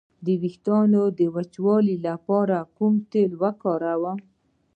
د ویښتو د وچوالي لپاره کوم تېل وکاروم؟